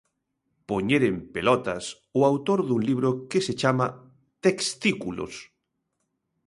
Poñer en pelotas o autor dun libro que se chama "Textículos"...